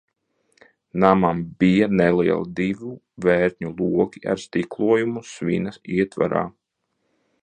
Namam bija nelieli divu vērtņu logi ar stiklojumu svina ietvarā.